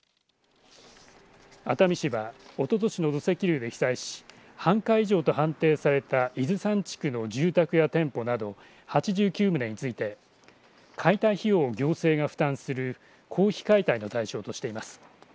熱海市はおととしの土石流で被災し半壊以上と判定された伊豆山地区の住宅や店舗など８９棟について解体費用を行政が負担する公費解体の対象としています。